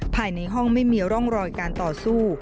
ภายในห้องไม่มีร่องรอยการต่อสู้